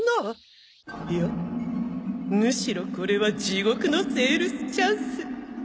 いやむしろこれは地獄のセールスチャンス